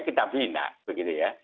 kita bina begitu ya